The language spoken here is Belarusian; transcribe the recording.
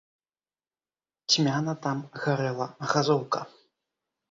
Цьмяна там гарэла газоўка.